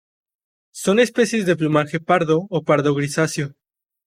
Son especies de plumaje pardo o pardo-grisáceo.